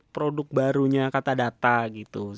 produk barunya kata data gitu